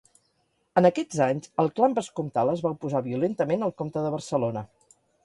En aquests anys el clan vescomtal es va oposar violentament al comte de Barcelona.